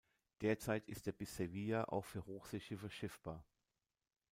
Derzeit ist er bis Sevilla auch für Hochseeschiffe schiffbar.